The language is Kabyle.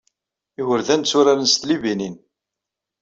Igerdan tturaren s tlibinin.